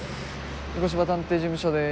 御子柴探偵事務所です。